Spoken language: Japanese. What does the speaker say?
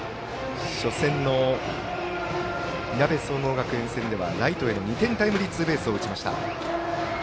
初戦のいなべ総合学園戦ではライトへの２点タイムリーツーベースを打ちました。